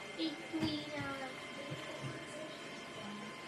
Obě tyto skladby mají také formu oratoria.